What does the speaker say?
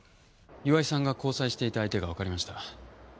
岩井さんが交際していた相手がわかりました。